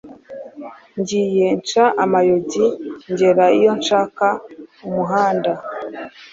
Ngiye nca amayogi ngera iyo nshaka-Umuhunda.